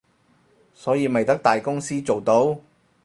所以咪得大公司做到